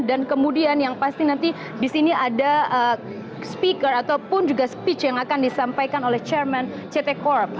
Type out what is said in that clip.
dan kemudian yang pasti nanti di sini ada speaker ataupun juga speech yang akan disampaikan oleh chairman ct corp